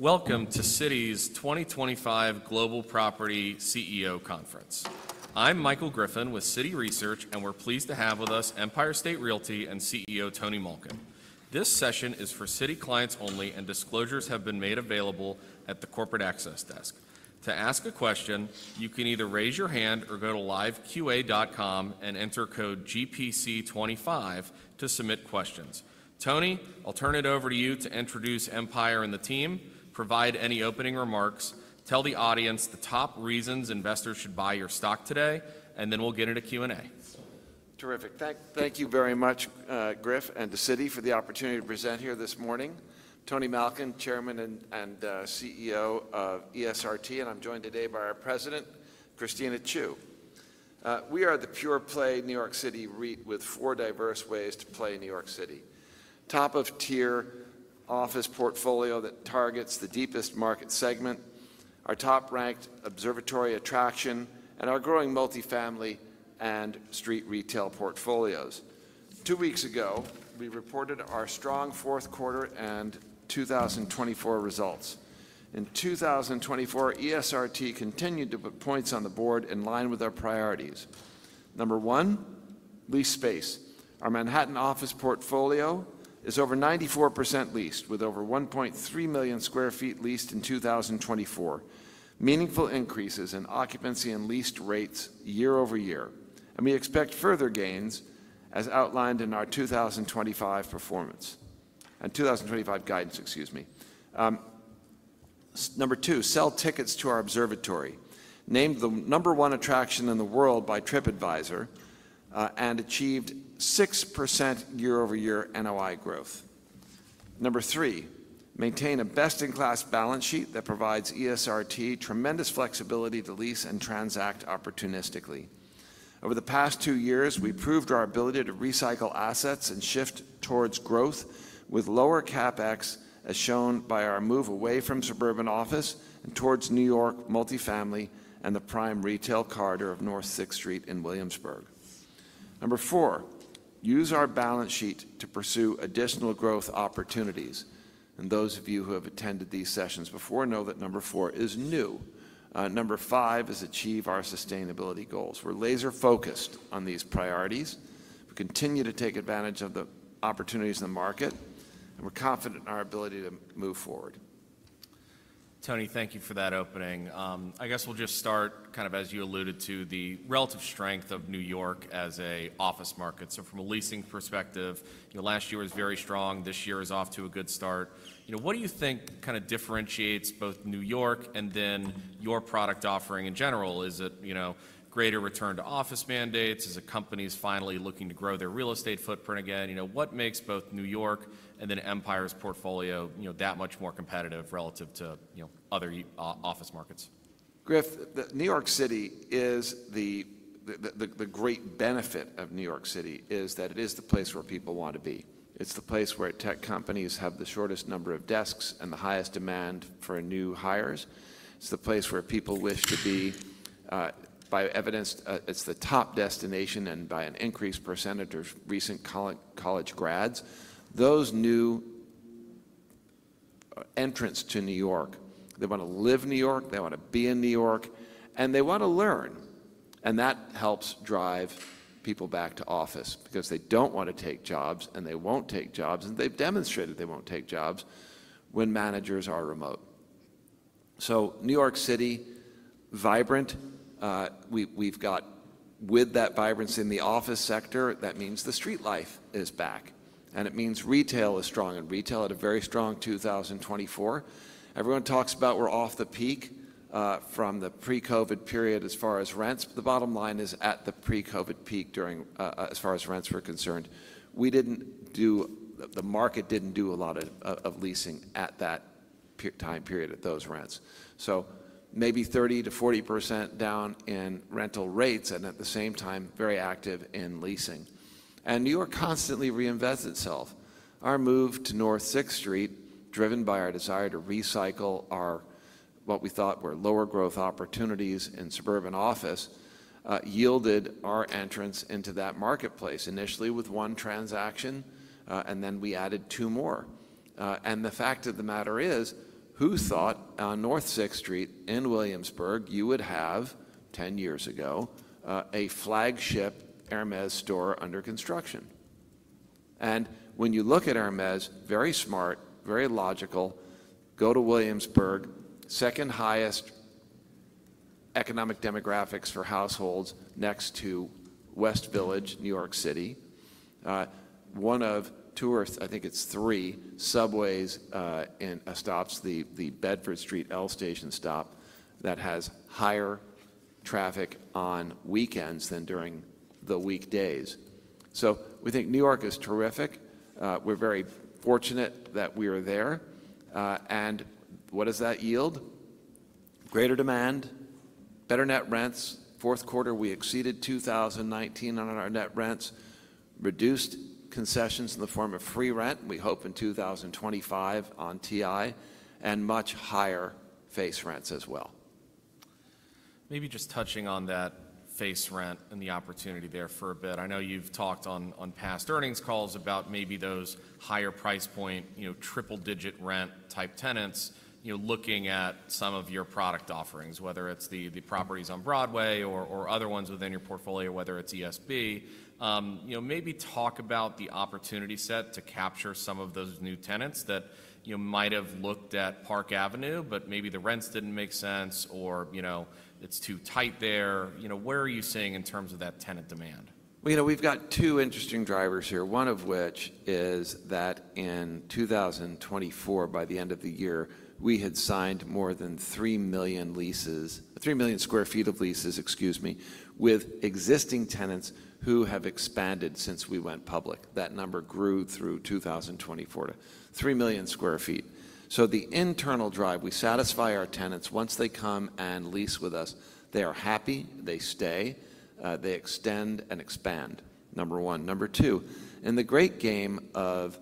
Welcome to Citi's 2025 Global Property CEO Conference. I'm Michael Griffin with Citi Research, and we're pleased to have with us Empire State Realty Trust and CEO Tony Malkin. This session is for Citi clients only, and disclosures have been made available at the corporate access desk. To ask a question, you can either raise your hand or go to liveqa.com and enter code GPC25 to submit questions. Tony, I'll turn it over to you to introduce Empire and the team, provide any opening remarks, tell the audience the top reasons investors should buy your stock today, and then we'll get into Q&A. Terrific. Thank you very much, Griff, and to Citi for the opportunity to present here this morning. Tony Malkin, Chairman and CEO of ESRT, and I'm joined today by our President, Christina Chiu. We are the pure-play New York City REIT with four diverse ways to play New York City: top-of-tier office portfolio that targets the deepest market segment, our top-ranked observatory attraction, and our growing multifamily and street retail portfolios. Two weeks ago, we reported our strong fourth quarter and 2024 results. In 2024, ESRT continued to put points on the board in line with our priorities. Number one, lease space. Our Manhattan office portfolio is over 94% leased, with over 1.3 million sq ft leased in 2024, meaningful increases in occupancy and lease rates year-over-year, and we expect further gains as outlined in our 2025 performance and 2025 guidance, excuse me. Number two, sell tickets to our observatory. Named the number one attraction in the world by TripAdvisor and achieved 6% year-over-year NOI growth. Number three, maintain a best-in-class balance sheet that provides ESRT tremendous flexibility to lease and transact opportunistically. Over the past two years, we proved our ability to recycle assets and shift towards growth with lower CapEx, as shown by our move away from suburban office and towards New York multifamily and the prime retail corridor of North 6th Street in Williamsburg. Number four, use our balance sheet to pursue additional growth opportunities. Those of you who have attended these sessions before know that number four is new. Number five is achieve our sustainability goals. We're laser-focused on these priorities. We continue to take advantage of the opportunities in the market, and we're confident in our ability to move forward. Tony, thank you for that opening. I guess we'll just start kind of as you alluded to the relative strength of New York as an office market. From a leasing perspective, last year was very strong. This year is off to a good start. What do you think kind of differentiates both New York and then your product offering in general? Is it greater return to office mandates? Is it companies finally looking to grow their real estate footprint again? What makes both New York and then Empire's portfolio that much more competitive relative to other office markets? Griff, New York City is the great benefit of New York City is that it is the place where people want to be. It's the place where tech companies have the shortest number of desks and the highest demand for new hires. It's the place where people wish to be. By evidence, it's the top destination and by an increased percentage of recent college grads. Those new entrants to New York, they want to live New York, they want to be in New York, and they want to learn. That helps drive people back to office because they don't want to take jobs and they won't take jobs, and they've demonstrated they won't take jobs when managers are remote. New York City, vibrant. We've got with that vibrancy in the office sector, that means the street life is back, and it means retail is strong and retail had a very strong 2024. Everyone talks about we're off the peak from the pre-COVID period as far as rents, but the bottom line is at the pre-COVID peak as far as rents were concerned. We didn't do the market didn't do a lot of leasing at that time period at those rents. Maybe 30%-40% down in rental rates and at the same time very active in leasing. New York constantly reinvests itself. Our move to North 6th Street, driven by our desire to recycle our what we thought were lower growth opportunities in suburban office, yielded our entrance into that marketplace initially with one transaction, and then we added two more. The fact of the matter is, who thought on North 6th Street in Williamsburg you would have 10 years ago a flagship Hermes store under construction? When you look at Hermes, very smart, very logical, go to Williamsburg, second highest economic demographics for households next to West Village, New York City, one of two or I think it's three subways and stops, the Bedford Street L Station stop that has higher traffic on weekends than during the weekdays. We think New York is terrific. We are very fortunate that we are there. What does that yield? Greater demand, better net rents. Fourth quarter, we exceeded 2019 on our net rents, reduced concessions in the form of free rent, we hope in 2025 on TI, and much higher face rents as well. Maybe just touching on that face rent and the opportunity there for a bit. I know you've talked on past earnings calls about maybe those higher price point, triple-digit rent type tenants, looking at some of your product offerings, whether it's the properties on Broadway or other ones within your portfolio, whether it's ESB. Maybe talk about the opportunity set to capture some of those new tenants that might have looked at Park Avenue, but maybe the rents didn't make sense or it's too tight there. Where are you seeing in terms of that tenant demand? We've got two interesting drivers here, one of which is that in 2024, by the end of the year, we had signed more than 3 million sq ft of leases, excuse me, with existing tenants who have expanded since we went public. That number grew through 2024 to 3 million sq ft. The internal drive, we satisfy our tenants once they come and lease with us, they are happy, they stay, they extend and expand, number one. Number two, in the great game of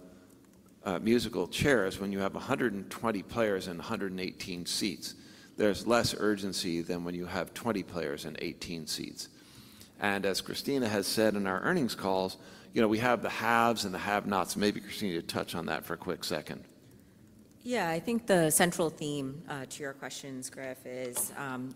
musical chairs, when you have 120 players and 118 seats, there's less urgency than when you have 20 players and 18 seats. As Christina has said in our earnings calls, we have the haves and the have-nots. Maybe Christina, you touch on that for a quick second. Yeah, I think the central theme to your questions, Griff, is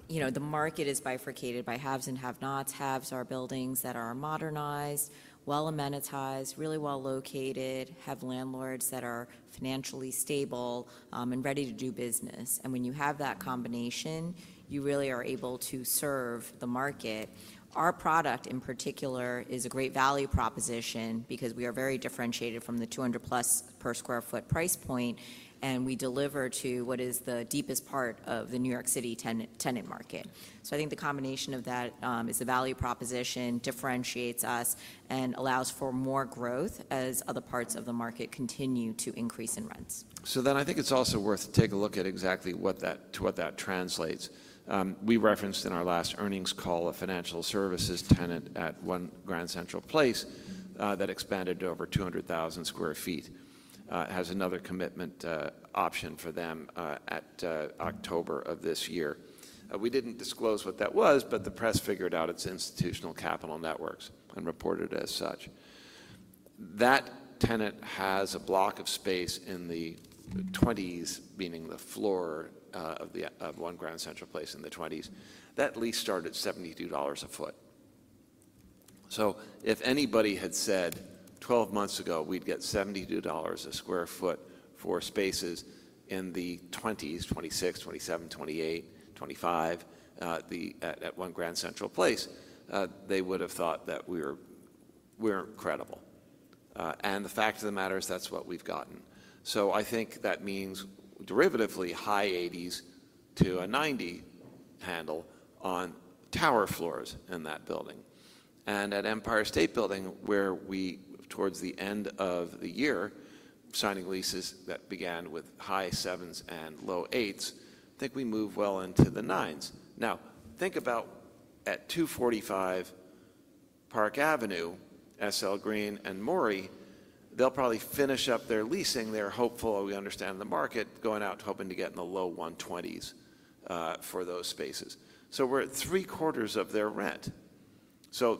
the market is bifurcated by haves and have-nots. Haves are buildings that are modernized, well-amenitized, really well-located, have landlords that are financially stable and ready to do business. When you have that combination, you really are able to serve the market. Our product in particular is a great value proposition because we are very differentiated from the $200+ per sq ft price point, and we deliver to what is the deepest part of the New York City tenant market. I think the combination of that is a value proposition, differentiates us, and allows for more growth as other parts of the market continue to increase in rents. I think it's also worth to take a look at exactly to what that translates. We referenced in our last earnings call a financial services tenant at One Grand Central Place that expanded to over 200,000 sq ft. It has another commitment option for them at October of this year. We didn't disclose what that was, but the press figured out it's Institutional Capital Networks and reported as such. That tenant has a block of space in the 20s, meaning the floor of One Grand Central Place in the 20s. That lease started at $72 a foot. If anybody had said 12 months ago, we'd get $72 a sq ft for spaces in the 20s, 26, 27, 28, 25 at One Grand Central Place, they would have thought that we weren't credible. The fact of the matter is that's what we've gotten. I think that means derivatively high 80s to a 90 handle on tower floors in that building. And at Empire State Building, where we towards the end of the year signing leases that began with high 7s and low 8s, I think we move well into the 9s. Now, think about at 245 Park Avenue, SL Green, and Mori, they'll probably finish up their leasing. They're hopeful that we understand the market going out hoping to get in the low 120s for those spaces. So we're at three quarters of their rent.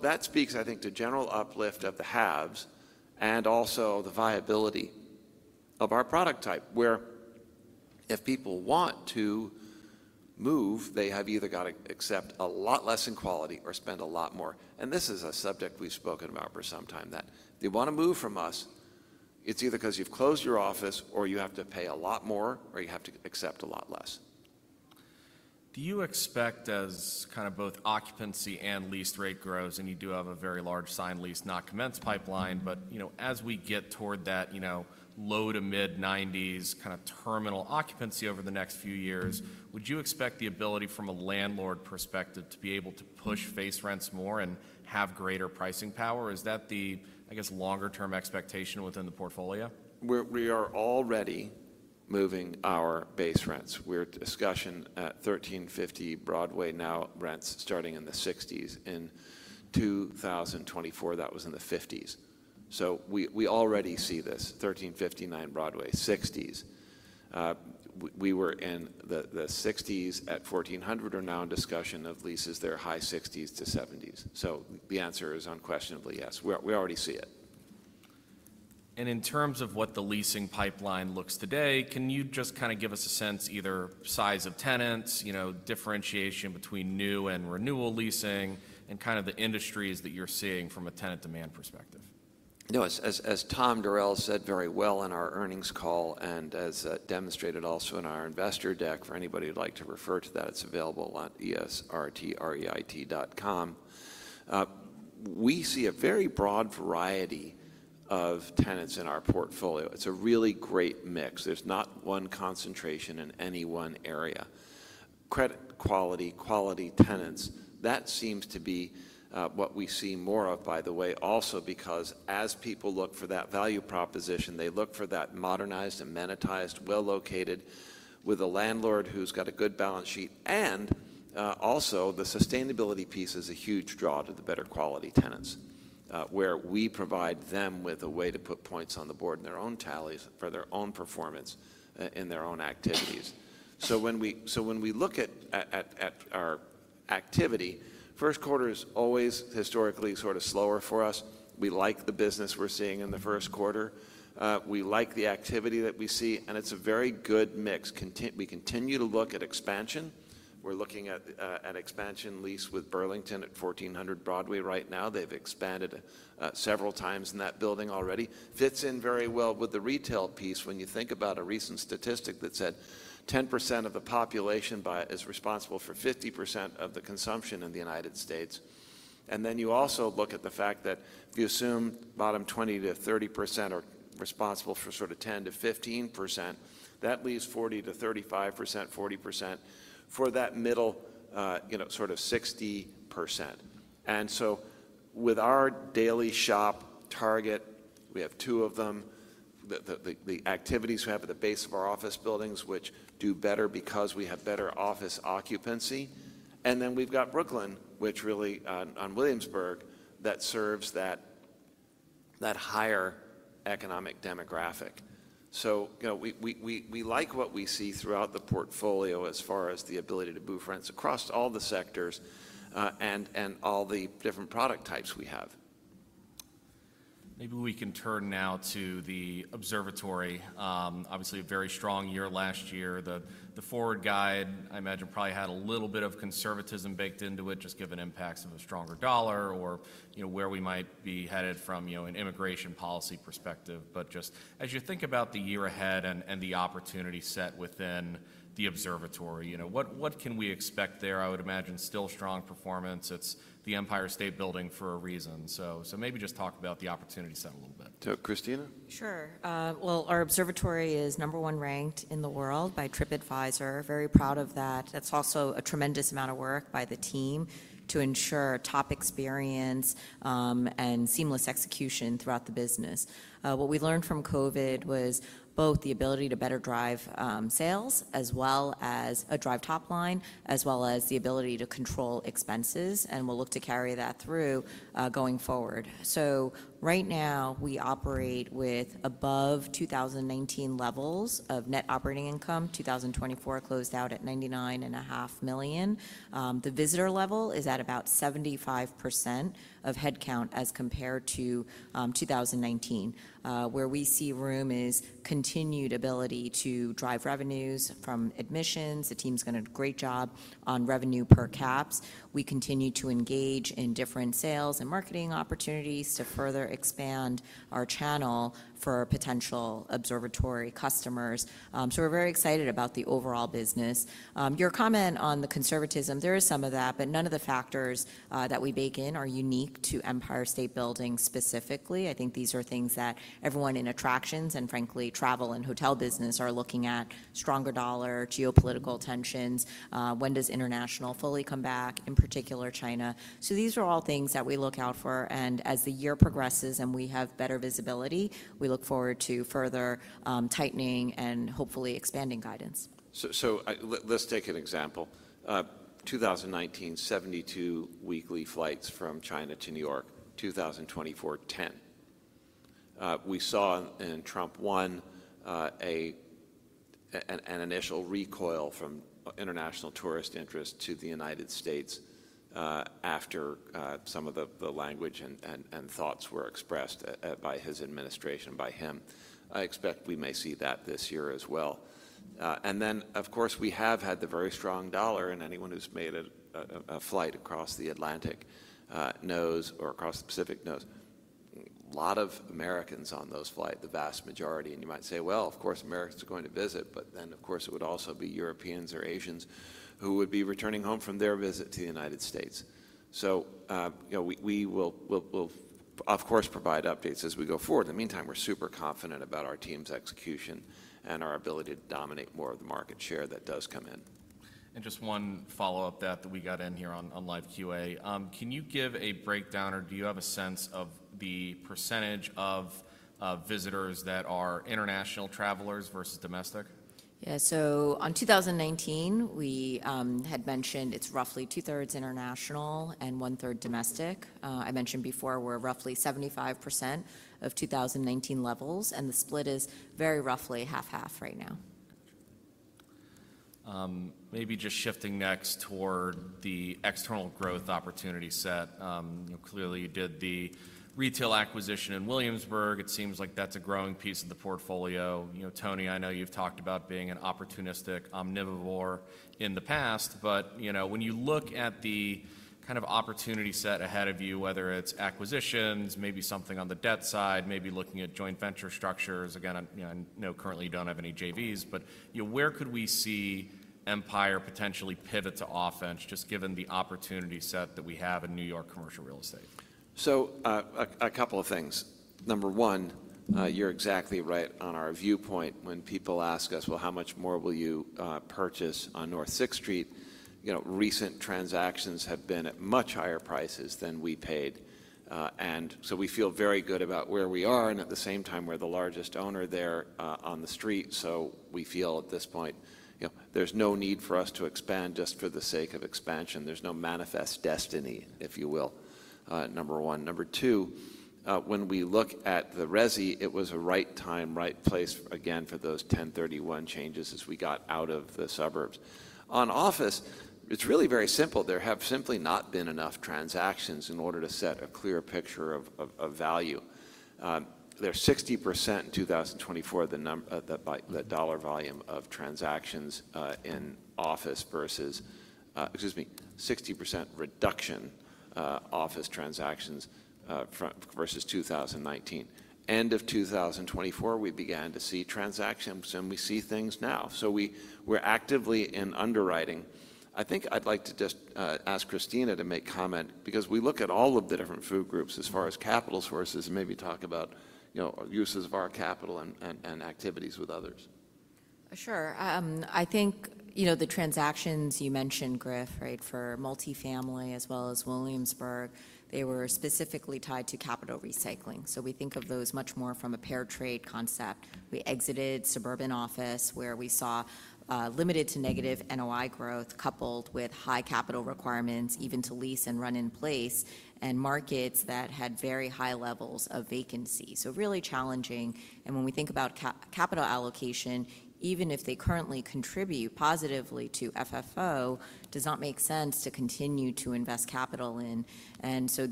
That speaks, I think, to general uplift of the haves and also the viability of our product type where if people want to move, they have either got to accept a lot less in quality or spend a lot more. This is a subject we've spoken about for some time that they want to move from us. It's either because you've closed your office or you have to pay a lot more or you have to accept a lot less. Do you expect as kind of both occupancy and lease rate grows and you do have a very large signed lease not commence pipeline, but as we get toward that low to mid-90s kind of terminal occupancy over the next few years, would you expect the ability from a landlord perspective to be able to push face rents more and have greater pricing power? Is that the, I guess, longer-term expectation within the portfolio? We are already moving our base rents. We're at discussion at 1350 Broadway now. Rents starting in the 60s. In 2024, that was in the 50s. We already see this 1359 Broadway, 60s. We were in the 60s at 1400 or now in discussion of leases there high 60s to 70s. The answer is unquestionably yes. We already see it. In terms of what the leasing pipeline looks today, can you just kind of give us a sense either size of tenants, differentiation between new and renewal leasing, and kind of the industries that you're seeing from a tenant demand perspective? No, as Tom Durels said very well in our earnings call and as demonstrated also in our investor deck, for anybody who'd like to refer to that, it's available at esrtreit.com. We see a very broad variety of tenants in our portfolio. It's a really great mix. There's not one concentration in any one area. Credit quality, quality tenants, that seems to be what we see more of, by the way, also because as people look for that value proposition, they look for that modernized, amenitized, well-located with a landlord who's got a good balance sheet. Also the sustainability piece is a huge draw to the better quality tenants where we provide them with a way to put points on the board in their own tallies for their own performance in their own activities. When we look at our activity, first quarter is always historically sort of slower for us. We like the business we're seeing in the first quarter. We like the activity that we see, and it's a very good mix. We continue to look at expansion. We're looking at expansion lease with Burlington at 1400 Broadway right now. They've expanded several times in that building already. Fits in very well with the retail piece when you think about a recent statistic that said 10% of the population is responsible for 50% of the consumption in the United States. You also look at the fact that if you assume bottom 20%-30% are responsible for sort of 10%-15%, that leaves 40%-35%, 40% for that middle sort of 60%. With our daily shop target, we have two of them, the activities we have at the base of our office buildings, which do better because we have better office occupancy. Then we have Brooklyn, which really on Williamsburg that serves that higher economic demographic. We like what we see throughout the portfolio as far as the ability to move rents across all the sectors and all the different product types we have. Maybe we can turn now to the observatory. Obviously, a very strong year last year. The forward guide, I imagine, probably had a little bit of conservatism baked into it, just given impacts of a stronger dollar or where we might be headed from an immigration policy perspective. Just as you think about the year ahead and the opportunity set within the observatory, what can we expect there? I would imagine still strong performance. It is the Empire State Building for a reason. Maybe just talk about the opportunity set a little bit. Christina? Sure. Our observatory is number one ranked in the world by TripAdvisor. Very proud of that. That is also a tremendous amount of work by the team to ensure top experience and seamless execution throughout the business. What we learned from COVID was both the ability to better drive sales as well as drive top line, as well as the ability to control expenses, and we will look to carry that through going forward. Right now we operate with above 2019 levels of net operating income. 2024 closed out at $99.5 million. The visitor level is at about 75% of headcount as compared to 2019. Where we see room is continued ability to drive revenues from admissions. The team's done a great job on revenue per caps. We continue to engage in different sales and marketing opportunities to further expand our channel for potential observatory customers. We are very excited about the overall business. Your comment on the conservatism, there is some of that, but none of the factors that we bake in are unique to Empire State Building specifically. I think these are things that everyone in attractions and frankly travel and hotel business are looking at: stronger dollar, geopolitical tensions. When does international fully come back, in particular China. These are all things that we look out for. As the year progresses and we have better visibility, we look forward to further tightening and hopefully expanding guidance. Let's take an example. In 2019, 72 weekly flights from China to New York; in 2024, 10. We saw in Trump 1 an initial recoil from international tourist interest to the United States after some of the language and thoughts were expressed by his administration, by him. I expect we may see that this year as well. Of course, we have had the very strong dollar, and anyone who's made a flight across the Atlantic knows or across the Pacific knows a lot of Americans on those flights, the vast majority. You might say, of course, Americans are going to visit, but then, of course, it would also be Europeans or Asians who would be returning home from their visit to the United States. We will, of course, provide updates as we go forward. In the meantime, we're super confident about our team's execution and our ability to dominate more of the market share that does come in. Just one follow-up that we got in here on live Q&A. Can you give a breakdown or do you have a sense of the percentage of visitors that are international travelers versus domestic? Yeah, so on 2019, we had mentioned it's roughly 2/3 international and 1/3 domestic. I mentioned before we're roughly 75% of 2019 levels, and the split is very roughly half-half right now. Maybe just shifting next toward the external growth opportunity set. Clearly, you did the retail acquisition in Williamsburg. It seems like that's a growing piece of the portfolio. Tony, I know you've talked about being an opportunistic omnivore in the past, but when you look at the kind of opportunity set ahead of you, whether it's acquisitions, maybe something on the debt side, maybe looking at joint venture structures, again, I know currently you don't have any JVs, but where could we see Empire potentially pivot to offense just given the opportunity set that we have in New York commercial real estate? A couple of things. Number one, you're exactly right on our viewpoint. When people ask us, well, how much more will you purchase on North 6th Street, recent transactions have been at much higher prices than we paid. We feel very good about where we are and at the same time we're the largest owner there on the street. We feel at this point there's no need for us to expand just for the sake of expansion. There's no manifest destiny, if you will, number one. Number two, when we look at the RESI, it was a right time, right place again for those 1031 changes as we got out of the suburbs. On office, it's really very simple. There have simply not been enough transactions in order to set a clear picture of value. There's a 60% reduction in 2024 of the dollar volume of transactions in office versus, excuse me, 60% reduction in office transactions versus 2019. End of 2024, we began to see transactions and we see things now. We are actively in underwriting. I think I'd like to just ask Christina to make comment because we look at all of the different food groups as far as capital sources and maybe talk about uses of our capital and activities with others. Sure. I think the transactions you mentioned, Griff, right, for multifamily as well as Williamsburg, they were specifically tied to capital recycling. We think of those much more from a pair trade concept. We exited suburban office where we saw limited to negative NOI growth coupled with high capital requirements even to lease and run in place and markets that had very high levels of vacancy. Really challenging. When we think about capital allocation, even if they currently contribute positively to FFO, it does not make sense to continue to invest capital in.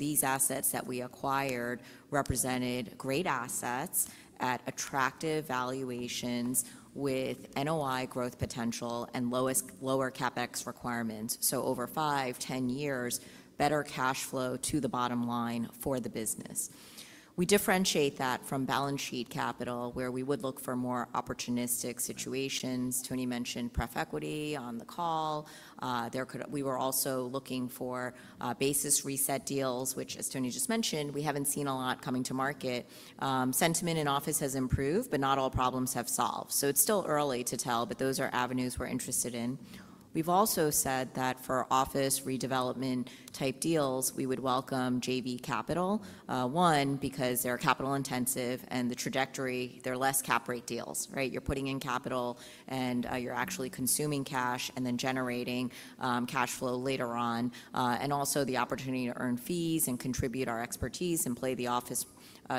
These assets that we acquired represented great assets at attractive valuations with NOI growth potential and lower CapEx requirements. Over 5-10 years, better cash flow to the bottom line for the business. We differentiate that from balance sheet capital where we would look for more opportunistic situations. Tony mentioned pref equity on the call. We were also looking for basis reset deals, which, as Tony just mentioned, we haven't seen a lot coming to market. Sentiment in office has improved, but not all problems have solved. It is still early to tell, but those are avenues we're interested in. We've also said that for office redevelopment type deals, we would welcome JV Capital, one because they're capital intensive and the trajectory, they're less cap rate deals, right? You're putting in capital and you're actually consuming cash and then generating cash flow later on. Also the opportunity to earn fees and contribute our expertise and play the office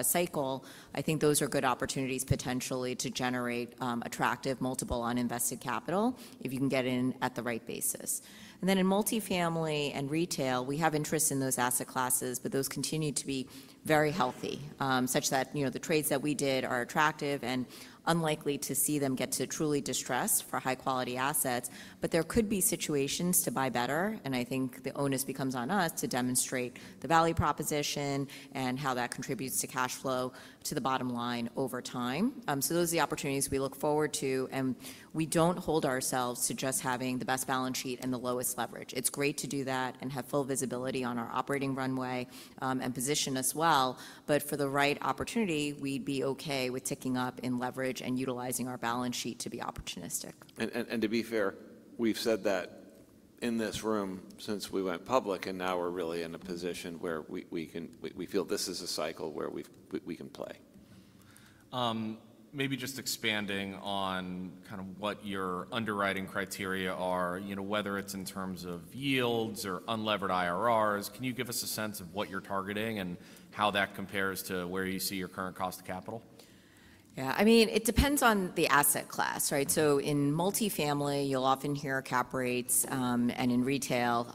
cycle. I think those are good opportunities potentially to generate attractive multiple uninvested capital if you can get in at the right basis. In multifamily and retail, we have interest in those asset classes, but those continue to be very healthy such that the trades that we did are attractive and unlikely to see them get to truly distressed for high-quality assets. There could be situations to buy better, and I think the onus becomes on us to demonstrate the value proposition and how that contributes to cash flow to the bottom line over time. Those are the opportunities we look forward to, and we do not hold ourselves to just having the best balance sheet and the lowest leverage. It is great to do that and have full visibility on our operating runway and position as well. For the right opportunity, we would be okay with ticking up in leverage and utilizing our balance sheet to be opportunistic. To be fair, we've said that in this room since we went public, and now we're really in a position where we feel this is a cycle where we can play. Maybe just expanding on kind of what your underwriting criteria are, whether it's in terms of yields or unlevered IRRs, can you give us a sense of what you're targeting and how that compares to where you see your current cost of capital? Yeah, I mean, it depends on the asset class, right? In multifamily, you'll often hear cap rates, and in retail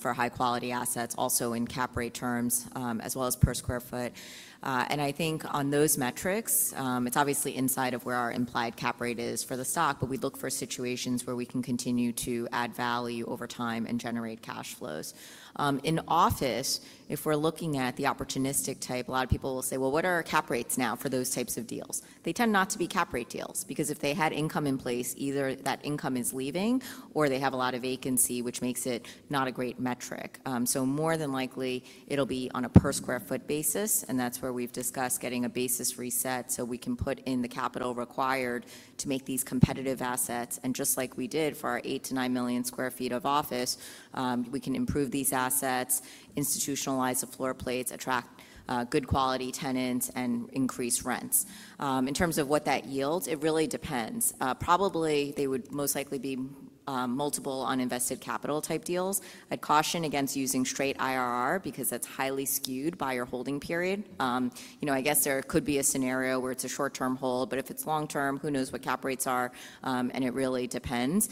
for high-quality assets, also in cap rate terms as well as per square foot. I think on those metrics, it's obviously inside of where our implied cap rate is for the stock, but we look for situations where we can continue to add value over time and generate cash flows. In office, if we're looking at the opportunistic type, a lot of people will say, well, what are our cap rates now for those types of deals? They tend not to be cap rate deals because if they had income in place, either that income is leaving or they have a lot of vacancy, which makes it not a great metric. More than likely, it'll be on a per square foot basis, and that's where we've discussed getting a basis reset so we can put in the capital required to make these competitive assets. Just like we did for our 8 million-9 million sq ft of office, we can improve these assets, institutionalize the floor plates, attract good quality tenants, and increase rents. In terms of what that yields, it really depends. Probably they would most likely be multiple uninvested capital type deals. I'd caution against using straight IRR because that's highly skewed by your holding period. I guess there could be a scenario where it's a short-term hold, but if it's long-term, who knows what cap rates are, and it really depends.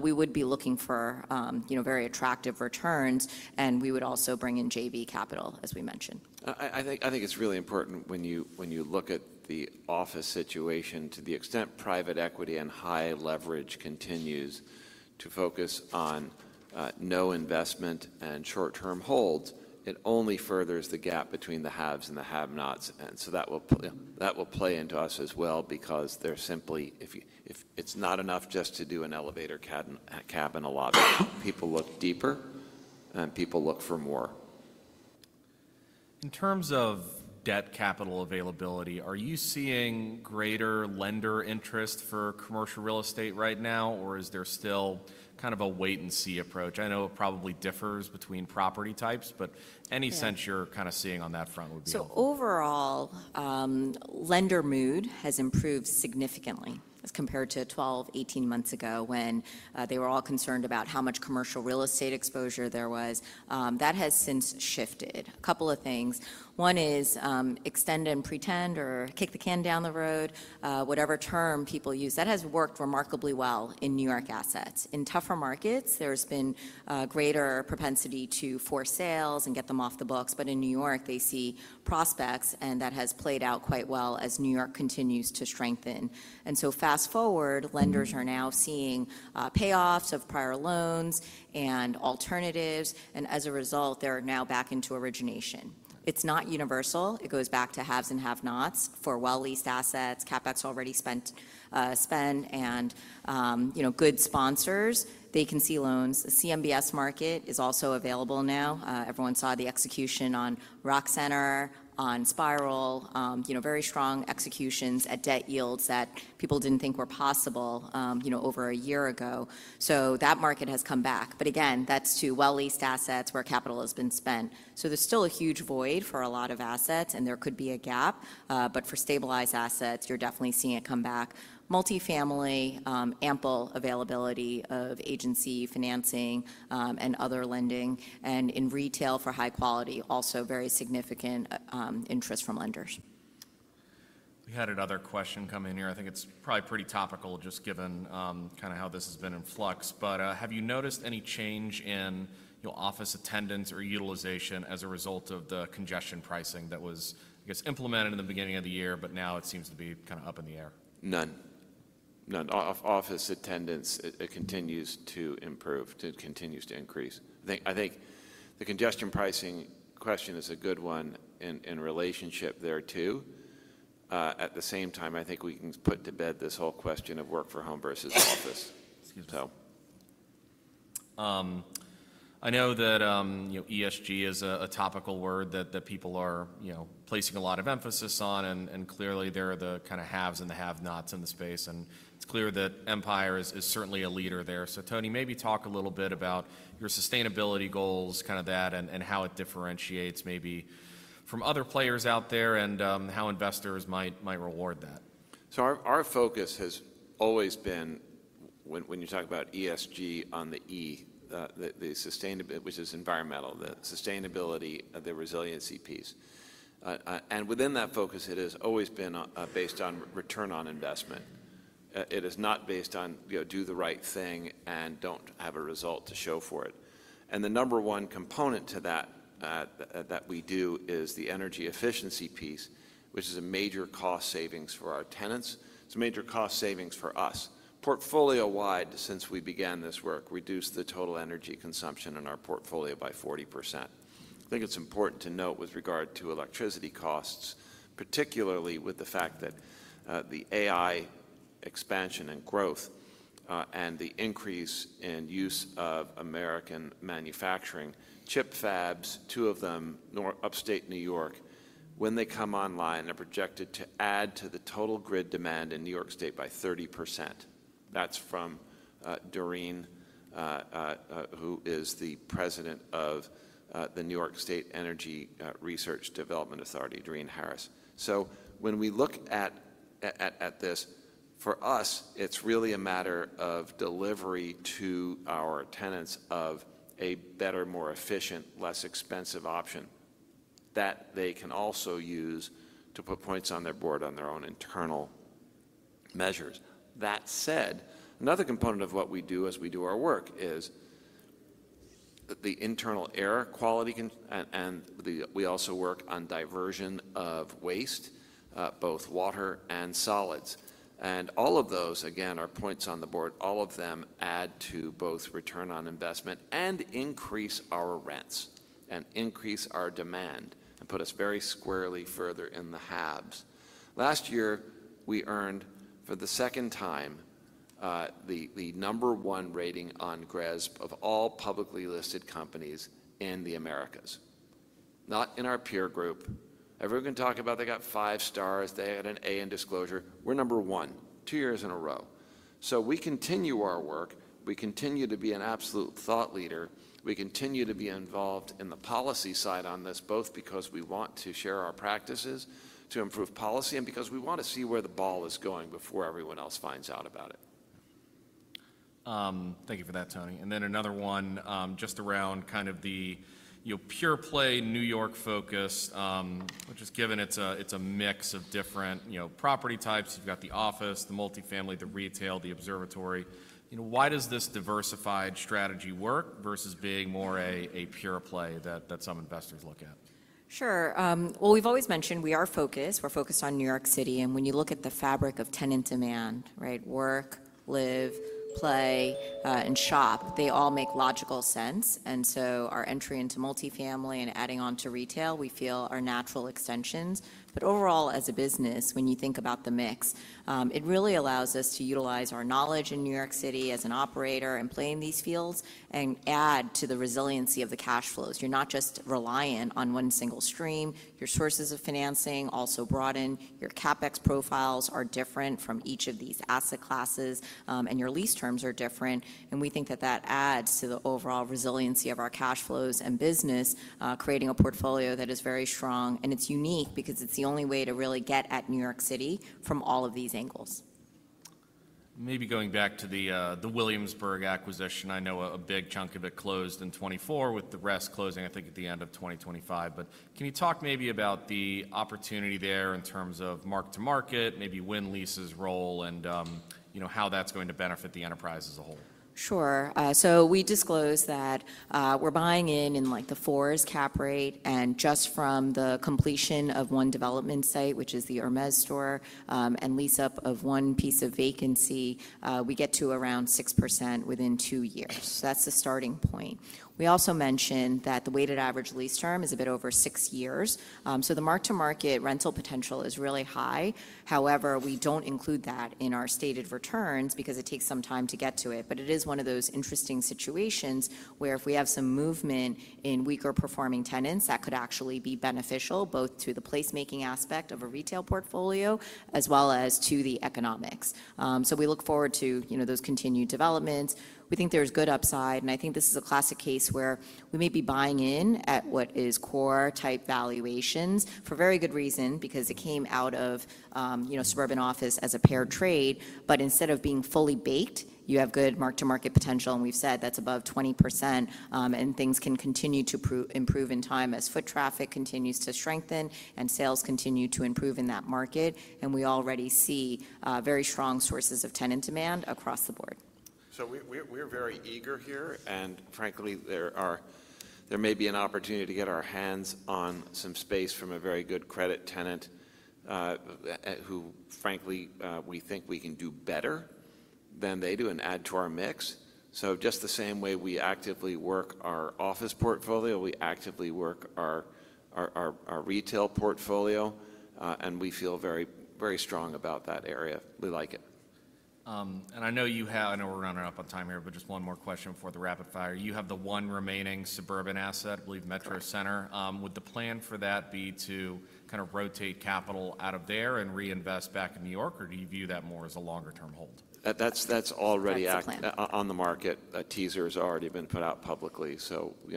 We would be looking for very attractive returns, and we would also bring in JV Capital, as we mentioned. I think it's really important when you look at the office situation to the extent private equity and high leverage continues to focus on no investment and short-term holds, it only furthers the gap between the haves and the have-nots. That will play into us as well because there's simply, it's not enough just to do an elevator cab and a lobby. People look deeper and people look for more. In terms of debt capital availability, are you seeing greater lender interest for commercial real estate right now, or is there still kind of a wait-and-see approach? I know it probably differs between property types, but any sense you're kind of seeing on that front would be okay. Overall, lender mood has improved significantly as compared to 12, 18 months ago when they were all concerned about how much commercial real estate exposure there was. That has since shifted. A couple of things. One is extend and pretend or kick the can down the road, whatever term people use. That has worked remarkably well in New York assets. In tougher markets, there has been greater propensity to force sales and get them off the books, but in New York, they see prospects, and that has played out quite well as New York continues to strengthen. Fast forward, lenders are now seeing payoffs of prior loans and alternatives, and as a result, they are now back into origination. It is not universal. It goes back to haves and have-nots for well-leased assets, CapEx already spent, and good sponsors. They can see loans. The CMBS market is also available now. Everyone saw the execution on Rockefeller Center, on Spiral, very strong executions at debt yields that people did not think were possible over a year ago. That market has come back. Again, that is to well-leased assets where capital has been spent. There is still a huge void for a lot of assets, and there could be a gap, but for stabilized assets, you are definitely seeing it come back. Multifamily, ample availability of agency financing and other lending, and in retail for high quality, also very significant interest from lenders. We had another question come in here. I think it's probably pretty topical just given kind of how this has been in flux. Have you noticed any change in office attendance or utilization as a result of the congestion pricing that was, I guess, implemented in the beginning of the year, but now it seems to be kind of up in the air? None. None. Office attendance, it continues to improve, continues to increase. I think the congestion pricing question is a good one in relationship there too. At the same time, I think we can put to bed this whole question of work for home versus office. Excuse me. So. I know that ESG is a topical word that people are placing a lot of emphasis on, and clearly there are the kind of haves and the have-nots in the space, and it is clear that Empire is certainly a leader there. Tony, maybe talk a little bit about your sustainability goals, kind of that, and how it differentiates maybe from other players out there and how investors might reward that. Our focus has always been when you talk about ESG on the E, which is environmental, the sustainability, the resiliency piece. Within that focus, it has always been based on return on investment. It is not based on do the right thing and do not have a result to show for it. The number one component to that that we do is the energy efficiency piece, which is a major cost savings for our tenants. It is a major cost savings for us. Portfolio-wide, since we began this work, we reduced the total energy consumption in our portfolio by 40%. I think it's important to note with regard to electricity costs, particularly with the fact that the AI expansion and growth and the increase in use of American manufacturing, chip fabs, two of them, Upstate New York, when they come online, are projected to add to the total grid demand in New York State by 30%. That's from Doreen, who is the President of the New York State Energy Research and Development Authority, Doreen Harris. When we look at this, for us, it's really a matter of delivery to our tenants of a better, more efficient, less expensive option that they can also use to put points on their board on their own internal measures. That said, another component of what we do as we do our work is the internal air quality and we also work on diversion of waste, both water and solids. All of those, again, are points on the board. All of them add to both return on investment and increase our rents and increase our demand and put us very squarely further in the haves. Last year, we earned for the second time the number one rating on GRESB of all publicly listed companies in the Americas. Not in our peer group. Everyone can talk about they got five stars. They had an A in disclosure. We are number one two years in a row. We continue our work. We continue to be an absolute thought leader. We continue to be involved in the policy side on this, both because we want to share our practices to improve policy and because we want to see where the ball is going before everyone else finds out about it. Thank you for that, Tony. Another one just around kind of the pure play New York focus, which is given it's a mix of different property types. You've got the office, the multifamily, the retail, the observatory. Why does this diversified strategy work versus being more a pure play that some investors look at? Sure. We have always mentioned we are focused. We are focused on New York City. When you look at the fabric of tenant demand, right, work, live, play, and shop, they all make logical sense. Our entry into multifamily and adding on to retail, we feel, are natural extensions. Overall, as a business, when you think about the mix, it really allows us to utilize our knowledge in New York City as an operator and play in these fields and add to the resiliency of the cash flows. You are not just reliant on one single stream. Your sources of financing also broaden. Your CapEx profiles are different from each of these asset classes, and your lease terms are different. We think that adds to the overall resiliency of our cash flows and business, creating a portfolio that is very strong. It is unique because it is the only way to really get at New York City from all of these angles. Maybe going back to the Williamsburg acquisition, I know a big chunk of it closed in 2024 with the rest closing, I think, at the end of 2025. Can you talk maybe about the opportunity there in terms of mark-to-market, maybe Winlease's role and how that's going to benefit the enterprise as a whole? Sure. We disclose that we're buying in in like the fours cap rate and just from the completion of one development site, which is the Hermes store, and lease up of one piece of vacancy, we get to around 6% within two years. That's the starting point. We also mentioned that the weighted average lease term is a bit over six years. The mark-to-market rental potential is really high. However, we don't include that in our stated returns because it takes some time to get to it. It is one of those interesting situations where if we have some movement in weaker performing tenants, that could actually be beneficial both to the placemaking aspect of a retail portfolio as well as to the economics. We look forward to those continued developments. We think there's good upside, and I think this is a classic case where we may be buying in at what is core type valuations for very good reason because it came out of suburban office as a paired trade. Instead of being fully baked, you have good mark-to-market potential, and we've said that's above 20%, and things can continue to improve in time as foot traffic continues to strengthen and sales continue to improve in that market. We already see very strong sources of tenant demand across the board. We are very eager here, and frankly, there may be an opportunity to get our hands on some space from a very good credit tenant who, frankly, we think we can do better than they do and add to our mix. Just the same way we actively work our office portfolio, we actively work our retail portfolio, and we feel very strong about that area. We like it. I know you have, I know we're running up on time here, but just one more question before the rapid fire. You have the one remaining suburban asset, I believe Metro Center. Would the plan for that be to kind of rotate capital out of there and reinvest back in New York, or do you view that more as a longer-term hold? That's already out on the market. Teasers have already been put out publicly.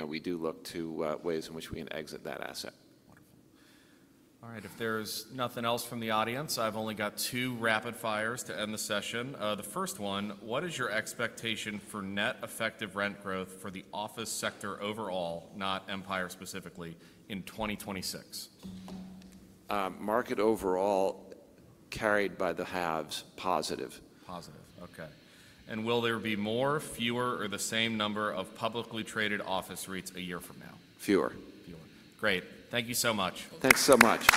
We do look to ways in which we can exit that asset. Wonderful. All right. If there's nothing else from the audience, I've only got two rapid fires to end the session. The first one, what is your expectation for net effective rent growth for the office sector overall, not Empire specifically, in 2026? Market overall carried by the haves, positive. Positive. Okay. Will there be more, fewer, or the same number of publicly traded office REITs a year from now? Fewer. Fewer. Great. Thank you so much. Thanks so much.